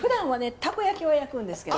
たこ焼きを焼くんですけど。